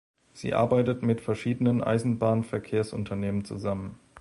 Sie arbeitet mit verschiedenen Eisenbahnverkehrsunternehmen zusammen.